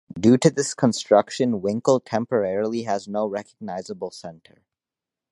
Due to this construction, Winkel temporarily has no recognizable center.